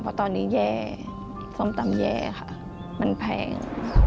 เพราะตอนนี้แย่ส้มตำแย่ค่ะมันแพง